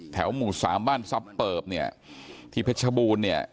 หมู่สามบ้านซับเปิบเนี่ยที่เพชรบูรณ์เนี่ย